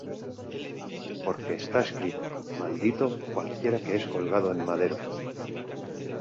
porque está escrito: Maldito cualquiera que es colgado en madero: